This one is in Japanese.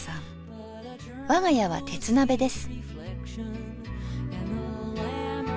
我が家は鉄鍋です。